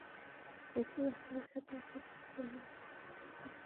একটি ভাষার সাথে একাধিক প্রমিত উপভাষা যুক্ত থাকতে পারে।